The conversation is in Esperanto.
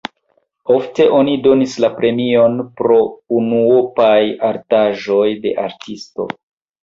Ofte oni donis la premion pro unuopaj artaĵoj de artisto.